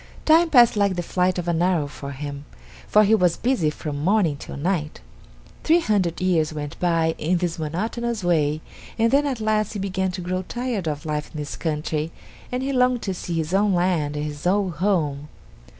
Time passed like the flight of an arrow for him, for he was busy from morning till night. Three hundred years went by in this monotonous way, and then at last he began to grow tired of life in this country, and he longed to see his own land and his old home.